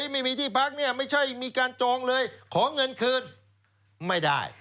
ไม่มีที่พักเนี่ยไม่ใช่มีการจองเลยขอเงินคืนไม่ได้